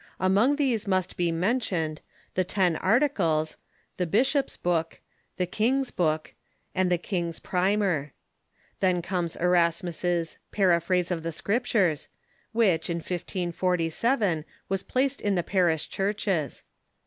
Among these must be mentioned " The Ten Articles," " The Bishoii's Book," " The King's Book," and " The King's Primer." Then comes Erasmus's " Paraphrase of the Scriptures," which, in 1547, was placed in the parish churches.